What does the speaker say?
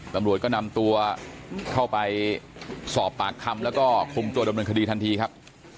ตำรวจก็นำตัวเข้าไปสอบปากคำแล้วก็คุมตัวดำเนินคดีทันทีครับ